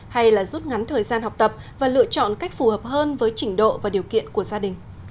hay là rút ngắn thời gian học tập và lựa chọn cách phù hợp hơn với trình độ và điều kiện của gia đình